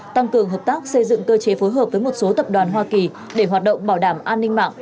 tăng cường hợp tác xây dựng cơ chế phối hợp với một số tập đoàn hoa kỳ để hoạt động bảo đảm an ninh mạng